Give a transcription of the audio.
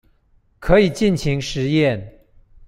可以盡情實驗